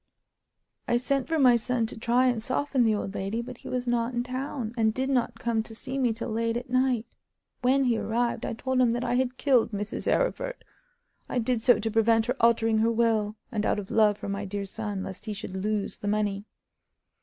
I sent for my son to try and soften the old lady, but he was not in town, and did not come to see me till late at night. When he arrived I told him that I had killed Mrs. Arryford. I did so to prevent her altering her will, and out of love for my dear son, lest he should lose the money.